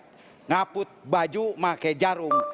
mengaput baju pakai jarum